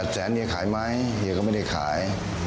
แสนเฮียขายไหมเฮียก็ไม่ได้ขาย